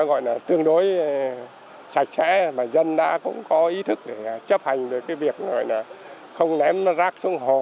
gọi là tương đối sạch sẽ mà dân đã cũng có ý thức để chấp hành được cái việc gọi là không ném nó rác xuống hồ